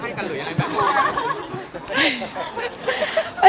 ใจกันหรือยังไงบ้าง